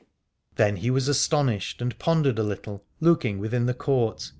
Then he was astonished and pondered a little, looking within the court.